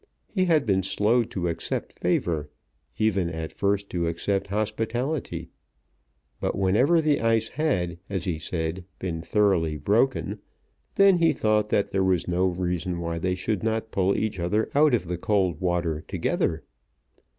He had been slow to accept favour, even at first to accept hospitality. But whenever the ice had, as he said, been thoroughly broken, then he thought that there was no reason why they should not pull each other out of the cold water together.